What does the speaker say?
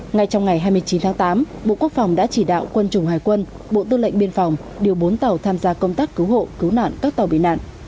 ngay trong ngày hai mươi chín tháng tám bộ quốc phòng đã chỉ đạo quân chủng hải quân bộ tư lệnh biên phòng điều bốn tàu tham gia công tác cứu hộ cứu nạn các tàu bị nạn